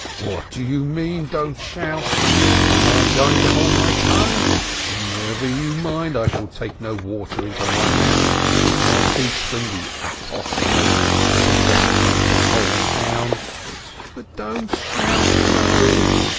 "What do you mean by 'don't shout' ! Am I going to hold my tongue? Never you mind, I shall take no water into my mouth. I'll teach them, the apostates, to desecrate the whole town!" "But don't shout so